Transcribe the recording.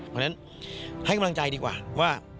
เพราะฉะนั้นให้กำลังใจดีกว่าว่า